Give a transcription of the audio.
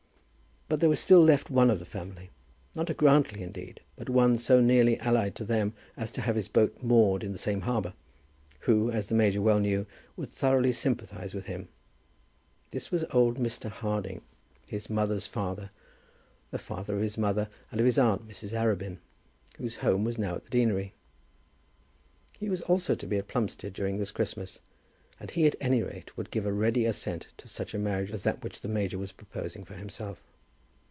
But there was still left one of the family, not a Grantly, indeed, but one so nearly allied to them as to have his boat moored in the same harbour, who, as the major well knew, would thoroughly sympathize with him. This was old Mr. Harding, his mother's father, the father of his mother and of his aunt Mrs. Arabin, whose home was now at the deanery. He was also to be at Plumstead during this Christmas, and he at any rate would give a ready assent to such a marriage as that which the major was proposing for himself.